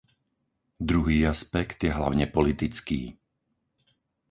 Druhý aspekt je hlavně politický.